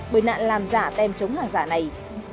bởi nạn làm giả tem chống hàng giả này